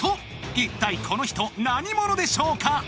一体この人何者でしょうか？